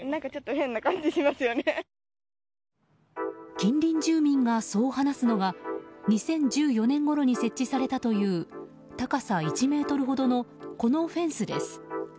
近隣住民がそう話すのが２０１４年ごろに設置されたという高さ１ｍほどのこのフェンスです。